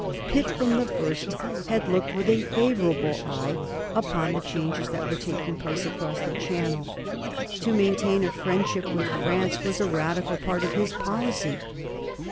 Pitt from the first had looked with a favorable eye upon the changes that were taking place across the Channel. To maintain a friendship with France was a radical part of his policy.